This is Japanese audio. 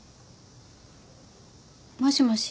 もしもし。